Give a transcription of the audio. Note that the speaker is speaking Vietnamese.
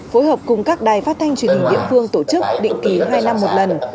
phối hợp cùng các đài phát thanh truyền hình địa phương tổ chức định ký hai năm một lần